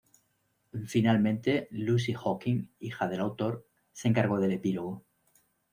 Finalmente, Lucy Hawking, hija del autor, se encargó del epílogo.